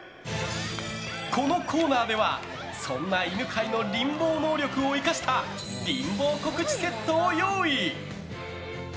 このコーナーでは、そんな犬飼のリンボー能力を生かしたリンボー告知セットを用意。